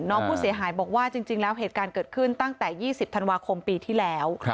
น้องผู้เสียหายบอกว่าจริงแล้วเหตุการณ์เกิดขึ้นตั้งแต่๒๐ธันวาคมปีที่แล้ว